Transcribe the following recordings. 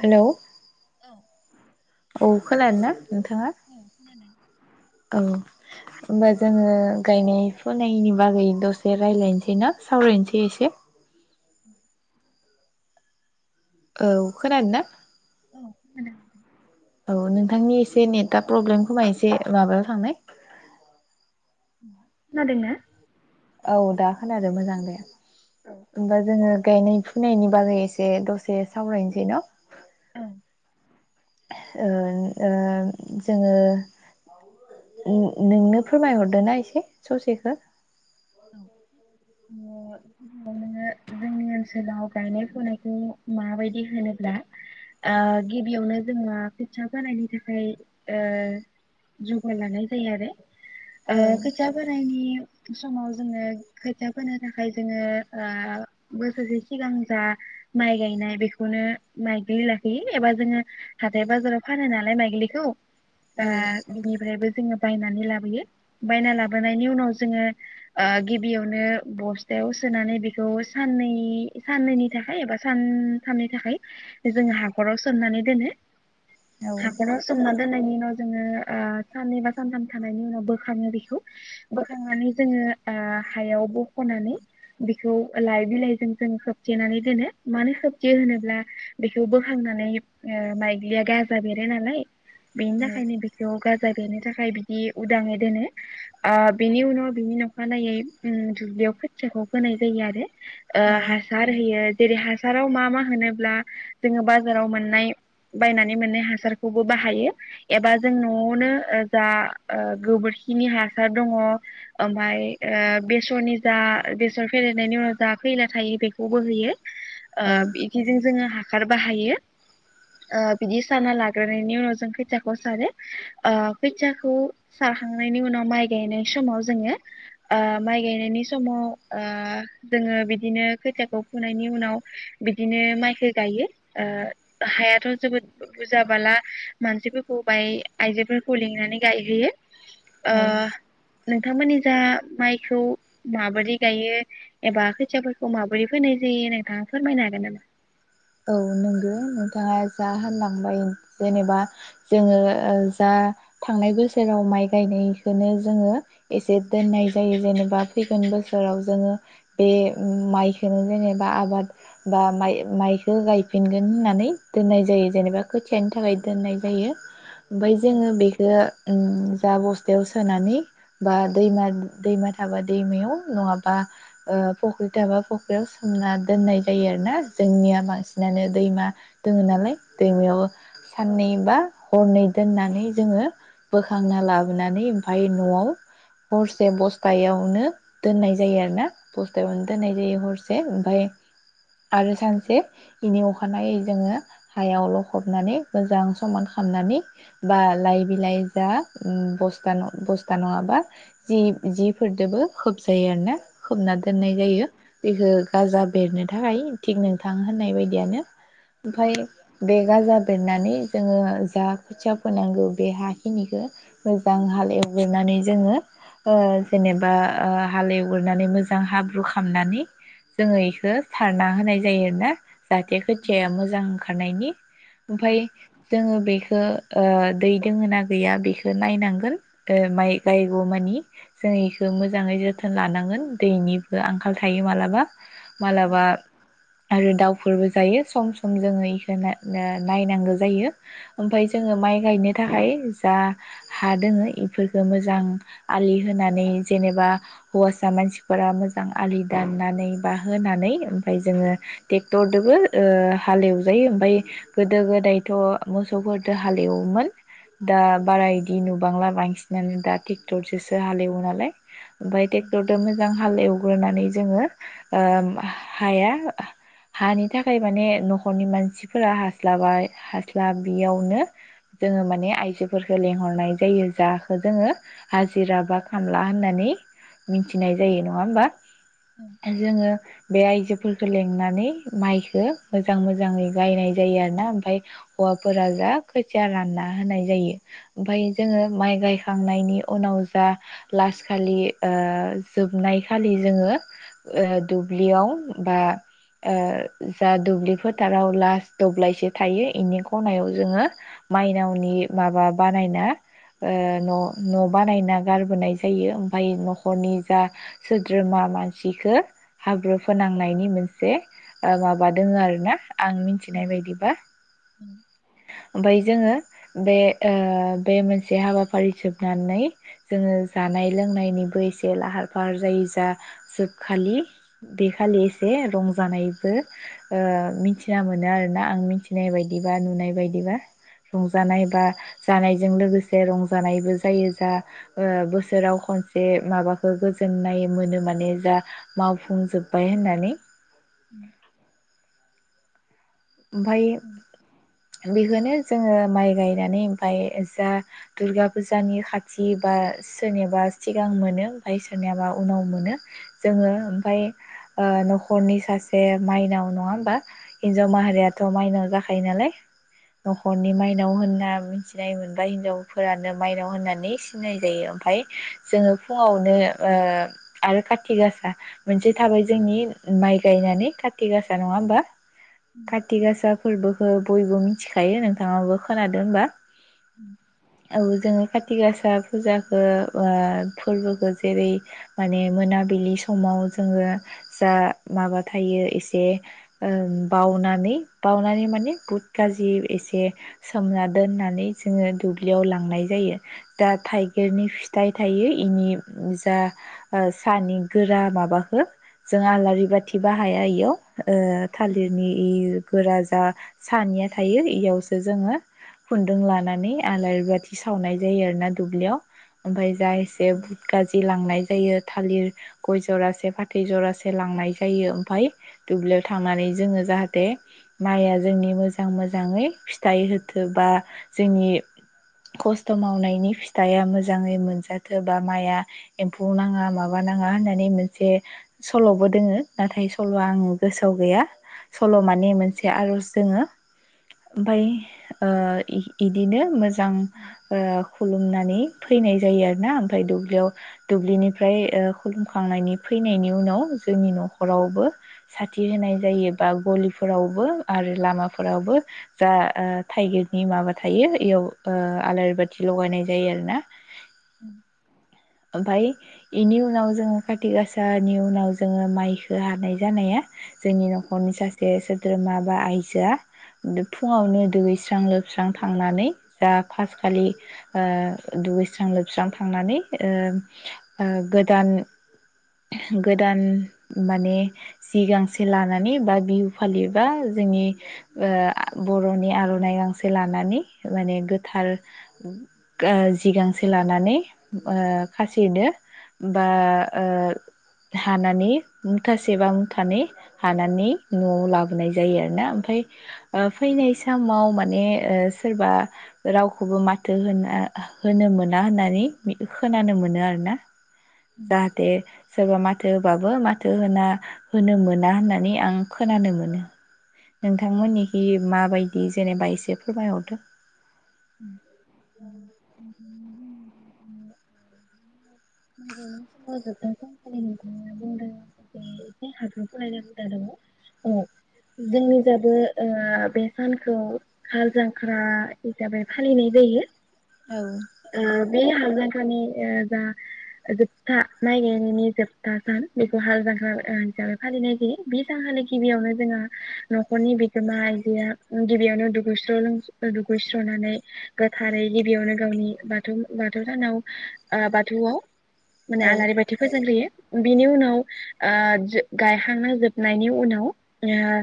Hello औ। औ खोनानो ना? नोंथाङा औ। होमबा जोंङो गायनाय फुनायनि बागै दसे रायलायनोसै ना सावरायनोसै एसे। [inaudible] औ खोनादों ना? औ खोनादों। औ नोंथांनि एसे नेतआ प्रब्लेम खोमा एसे माबायाव थांनाय। खोनादोंना? औ दा खोनादो मोजां दे। होमबा जोंङो गायनाय फुनायनि बागै एसे दसे सावरायनोसै न'? ओ ओ जोंङो‌‌ नो-नोंनो फोरमायहरदो ना एसे ससेखो। जोंनि ओनसोलाव गायनाय फुनायखौ माबायदि होनोब्ला ओ गिबियावनो जोंङो खोथिया फोनायनि थाखाय ओ जुगार लानाय जायो आरो। ओ औ खोथिया फोनायनि समाव जोंङो खोथिया फोनो थाखाय जोंङो ओ बोसोरसे सिगां जा माइ गायनाय बेखौनो माइग्लि लाखोयो एबा जोङो हाथाय बाजाराव फानो नालाय माइग्लिखौ दा औ बिनिफ्रायबो जोङो बायनानै लाबोयो बायना लाबोनायनि उनाव जोंङो ओ गिबियावनो बस्थायाव सोनानै बेखौ साननै‌ साननैनि थाखाय एबा सानथामनि थाखाय जोंङो हाखराव सोमनानै दोनो। हाख'राव‌ सोमना दोननायनि उनाव जोंङो ओ साननैबा सानथाम थानायनि उनाव बोखांङो बेखौ बोखांनानै जोंङो ओ‌ हायाव बख'नानै बेखौ लाइ बिलाइजों जों खोबथेनानै दोनो मानो खोबथेयो‌ होनोब्ला बेखौ बोखांनानै ओ‌ माइग्लिया गाजा बेरो नालाय बेनि थाखायनो बेखौ गाजा बेरनो बेनि थाखाय बिदि उदांङै दोनो ओ बिनि उनाव बिनि अखानायनायै उम दुब्लियाव खोथियाखौ फोनाय जायो आरो। औ ओ हासार होयो। जेरै हासाराव मा मा होनोब्ला जोंङो बाजाराव मोननाय बायनानै मोननाय हासारखौबो बाहायो एबा जों नआवनो ओ जा ओ गोबोरखिनि हासार दङ ओमफाय बेसरनि जा बेसर फेरनायनि उनाव। [unintelligible] नाथाय बेखौबो होयो। ओ बिदिजों जोङो हाख हाखार बाहायो ओ‌ बिदि साना लाग्रोनायनि उनाव जों खोथियाखौ सारो ओ खोथियाखौ सारखांनायनि उनाव माइ गायनाय समाव जोंङो ओ माइ गायनायनि समाव ओ। जोंङो बिदिनो खैथियाखौ फोनायनायनि उनाव बिदिनो माइखौ गायो ओ हायाथ जोबोद बुरजाबाला मानसिफोरखौ बाय आइजोफोरखौ लिंनानै गायहोयो। ओ। औ औ नोंथांमोननि जा माइखौ माबोरै गायो। एबा खोथियाफोरखौ माबोरै फैनाय जायो नोंथांङा फोरमायनो हागोन नामा। औ नोंगो नोंथांङा जा होनलांबाय जेनेबा जोंङो ओ जा थांनाय बोसोराव माइ गायनायखोनो जोंङो एसे दोननाय जायो जेनेबा फैगोन बोसोराव जोंङो बे ओ‌ माइखौ जेनेबा आबाद बा माइ माइ। बेखौ गायफिनगोन होननानै दोननाय जायो जेनेबा खोथियानि थाखाय दोननाय जायो। ओमफाय जोंङो बेखो। ओ जा बस्थायाव सोनानै बा दैमा दैमा थाबा दैमायाव नङाबा ओ फख्रि थाबा फख्रियाव सोमना दोननाय जायो आरो ना जोंनिया बांसि बांसिनानो दैमा दोङो नालाय दैमायाव। साननैबा। हरनै दोननानै जोङो बोखांना लाबोनानै ओमफाय नआव हरसे बस्थायावनो दोननाय जायो आर ना। बस्थायावनो दोन्नाय जायो हरसे। ओमफाय आरो सानसे। बिनि अखानायै जोङो हायाव लखबनानै मोजां समान खालामनानै बा लाइ बिलाइ जा बस्थान बस्था नङाबा जि जिफोरजोंबो खोबजायो आरोना। खोबना दोननाय जायो। बेखौ गाजा बेरनो थाखाय थिग नोंथां होननाय बाय यानो। ओमफाय बे गाजा बेरनानै जोङो जा खोथिया फोनांगौ बे हा खिनिखौ मोजां हाल एवग्रनानै जोङो ओ जेनेबा ओ हाल एवग्रनानै मोजां हाब्रु खामनानै जोङो एखौ सारना होनाय जायो आरोना। जाहाथे खोथियाया मोजां ओंखारनायनि। ओमफाय जोङो बेखो। ओ दै दोङो ना गैया बेखौ नायनांगोन ओ माइ गायगौ मानि जों एखौ मोजाङै जोथोन लानांगोन दैनिबो आंखाल थायो मालाबा। मालाबा। आरो दाउ फोरबो जायो सम सम जोङो एखौ नायनांगौ जायो। ओमफाय जोङो माइ गायनो थाखाय। जा हा दोङो इफोरखौ मोजां आलि होनानै जेनेबा हौवासा मानसिफोरा मोजां आलि दाननानै बा होनानै ओमफफ्राय जोङो दबो ओ हालेवजायो ओमफाय गोदो गोदायथ मोसौफोरजों हालेवोमोन। दा बारा इदि नुबांला बांसिन मान दा ट्रेक्टरजोसो हालेवो नालाय। ओमफाय ट्रेक्टरजों मोजां हालेव गोरनानै जोङो‌ ओम हाया हानि थाखाय माने नखरनि मानसिफोरा हास्लाबा हास्लाबियावनो जोङो माने आइजोफोरफोरखौ लेंहरनाय जायो जाखौ जोङो हाजिरा बा खामला होननानै मिथिनाय जायो नङा होमबा जोङो बे आइजोफोरखौ लेंंनानै माइखो मोजां मोजाङै गायनाय जायो आरोना ओमफाय हौवाफोरा जा खोथिया रानना होनाय जायो ओमफाय जोङो माइ गायखांनायनि उनाव जा लासखालि ओ जोबनाय खालि जोङो ओ दुब्लियाव बा। ओ जा दुब्लि फोथाराव लास्ट दब्लायसे थायो इनि खनायाव जोङो माइनावनि माबा बानायना ओ न न‌ बानायना गारबोनाय जायो ओमफाय नखरनि जा सोद्रोमा मानसिख हाब्रु फोनांनायनि मोनसे से ओ माबा दोङो आरो ना। आं मिथिनाय बायदिबा। ओमफाय जोङो बे ओ बे मोनसे हाबाफारि जोबनानै जोङो जानाय लोंनायनिबो एसे लाहार फाहार जायो जा जोबखालि बेखालि एसे रंज जानायबो ओ मिथिना मोनो आरोना आं मिथिनाय बायदिबा नुनाय बायदिबा रंजानाय बा जानायजों लोगोसे रंजानायबो जायो जा ओ बोसोराव खनसे माबाखौ गोजोननाय मोनो माने जा मावफुंजोब्बाय होननानै। उम। ओमफाय। बेखौनो जोङो माइ गायनानै ओमफाय जा दुर्गा फुजानि खाथि बा सोरनियाबा सिगां मोनो ओमफ्राय सोरनियाबा उनाव मोनो जोङो ओमफाय ओ नखरनि सासे माइनाव नङा होमबा हिनजाव माहा बेयाथ माइनाव जाखायो नालाय। नखरनि माइनाव होनना मि नाय मोनबा हिनजावफोरानो माइनाव होननानै सिनाय जायो ओमफाय जोङो फुङावनो ओ आरो काति गासा मोनसे थाबाय जोंनि माइ गायनानै काति गासा नङा होमबा। कारथि गासा फोरबोखौ बयबो मिथिखायो नोंथाङाबो खोनादों होनबा। [inaudible] जोंनि खााथि गासा फुजाखौ ओ फोरबोखौ जेरै माने मोनाबिलि समाव जोङो जा माबा थायो एसे ओम बावनानै बावनानै माने बुद गाज्रि एसे सोमना दोननानै जोङो दुब्लियाव लांनाय जायो दा थाइगिरनि फिथाइ थायो इनि जा सानि गोरा माबाखौ जों आलारि बाथि बाहाया इयाव थालिर गिदिरनि इ गोरा जा सानिया थायो इयावसो जोङो खुन्दुं लानानै आलारि बाथि सावनाय जायो आरो ना दुब्लियाव ओमफाय जा एसे बुत गाजि लांनाय जायो थालिर गय जरासे फाथै जरासे लांनाय जायो ओमफ्राय दुब्लियाव थांनानै जोङो जाहाथे माइआ जोंनि मोजां मोजाङै फिथाइ होथो बा जोंनि खस्थ मावनायनि फिथाइया मोजाङै मोनजाथों बा माइआ एम्फौ नाङा माबा नाङा होननानै मोनसे सलबो दोङो नाथाय सलआ आं गोसोआव गैया सलमानि मोनसे आरज दङो ओमफाय ओ इ इदिनो मोजां ओ खुलुमनानै फैनाय जायो आरोना ओमफ्राय दुलियाव दुब्लिनिफ्राय ओ खुलुमखांनायनि फैनायनि उनाव जोंनि नखरावबो साथि होनाय जायो बा गलिफोरावबो आरो लामाफोरावबो जा ओ थाइगिरनि माबा थायो इयाव ओ आलारि बाथि लगायनाय जायो आरो ना [inaudible] ओमफाय इनि उनाव जोङो खाति गासानि उनाव जोङो माइ होहानाय जानाया जोंनि हनि सासे सो द्रोमा बा आइजोआ दो फुङावनो दुगैस्रां लोबस्रां थांनानै जा पास खालि ओ दुगैस्रां लोबस्रां थांनानै ओ ओ गोदान गोदान माने सिगांसे लानानै नि बा बिहु फालि बा जोंनि ओ बरनि आरनाइ गांसे लानानै माने गोथार गो जि गांसे लानानै ओ खासिदो बा ओ हानानै मुथासे बा मुथानै हानानै नआव लाबोनाय जायो आर ना ओमफाय ओ फैनाय समाव मान माने सोरबा रावखौबो माथो होना होनो मोना होननानै खोनानो मोनो आरो ना जाहाथे सोरबा मा थो होबाबो माथो होना होनो मोन ना होननानै आं खोनानो मोनो नोंथांमोननिखि माबायदि जेनेबा एसे फोरमायहरदो? [unintelligible] जोंनि जाबो ओ बे सानखौ खाल जांख्रा जाबाय फालिनाय जायो औ आ बे हाग्रानि सानि ओ जा जोबथा माइ गायनायनि जोबथा सान बेखौ हाल जांख्रा हिसाबै फालिनाय जायो बे सानखालि गिबियावनो जोंहा नखरनि बिगोमा आइजोआ गिबियावनो दुगैस्र लो दुगै स्रनानै गोथारै गिबियावनो गावनि बाथौ बाथौ सानाव आ बाथौआव माने औ आलारि बाथि फोजोंग्रोयो बिनि उनाव आ जो गायखांना जोबनायनि उनाव आ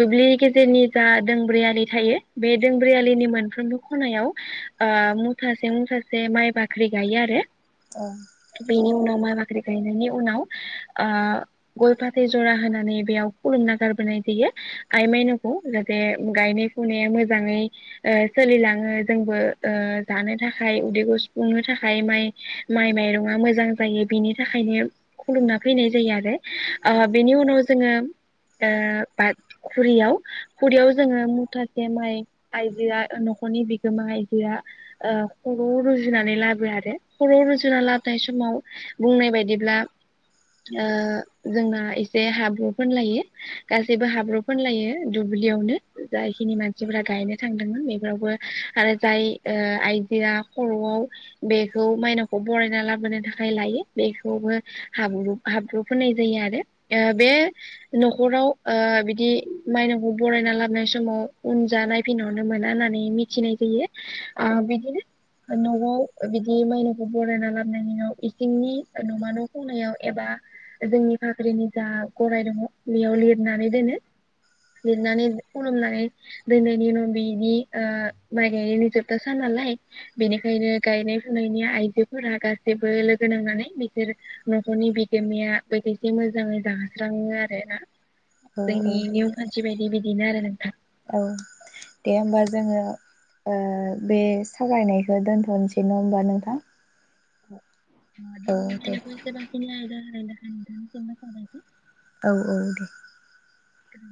दुब्लि गेजेरनि जा दोंब्रै आलि थायो बे दोंब्रै आलिनि मोन मोनफ्रोमबो खनायाव ओ मुथासे मुथासे माइ बाख्रि गायो आरो बेनि उनाव माइ बाख्रि गायनायनि उनाव ओ गय फाथै जरा होनानै बेयाव खुलुमना गारबोनाय जायो आइ माइनावखौ जाहाथे गायनाय फुनाया मोजाङै सोलिलाङो जोंबो ओ जानो थाखाय उदैखौ सुफुंनो थाखाय माइ माइ माइरङा मोजां जायो बिनि थाखायनो खुलुमना फैनाय जायो आरो आ औ बेनि उनाव जोङो ओ बा-खुरियाव खुरियाव जोङो मुथासे माइ आइजोआ न'खरनि बिगोमा आइजोआ खर रुजुनानै लाबो आरो खर' रुजुना लाबोनाय समाव बुंनाय बायदिब्ला ओ जोंना एसे हाब्रु फोनलायो गासैबो हाब्रु फोनलायो दुब्लियावनो जायखिनि मानसिफोरा गायनो थांदोंमोन बे आरो जाय आइजोआ खरआव बेखौ मायनावखौ बरायना लाबोनो थाखाय लायो बेखौबो हाब्रुब हाब्रुब फुन्नाय जायो आरो बे नखराव ओ बिदि मायनावखौ बरायना लाबोनाय समाव उनजा नायफिनहरनो मोना होननानै मिथिनाय जायो ओ बिदिनो नआव बिदि मायनावखौ बरायना लाबोननायनि उनाव इसिंनि ओ नमा न खनायाव एबा जोंनि फाख्रिनि जा गराय दङ बेयाव लिरनानै दोनो लिरनानै खुलुमनानै दोननायनि उनाव बिनि ओ माइ गायनायनि जोबथा सान नालाय बेनिखायनो गायनाय फुनायनि आइजोफोरा गासैबो लोगो नांनानै बिसोर न'खरनि बिगोमाया बोथिसे मोजाङै जास्राङो आरोना औ जोंनि औ नेमखान्थि बायादि बि बेनो आरो नोंथां औ दे होमबा जोङो ओ बे सावरायनायखौ दोनथनोसै न होमबा नोंथां औ औ दे [inaudible] [inaudible] औ औ दे उम